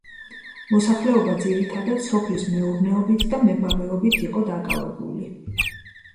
მოსახლეობა ძირითადად სოფლის მეურნეობით და მებაღეობით იყო დაკავებული.